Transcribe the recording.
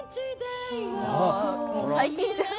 最近じゃん。